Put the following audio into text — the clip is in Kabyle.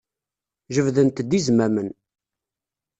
Jebdent-d izmamen.